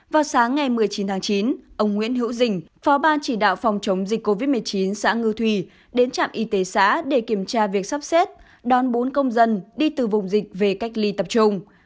vào sáng ngày một mươi chín tháng chín ông nguyễn hữu dình phó ban chỉ đạo phòng chống dịch covid một mươi chín xã ngư thủy đến trạm y tế xã để kiểm tra việc sắp xếp đón bốn công dân đi từ vùng dịch về cách ly tập trung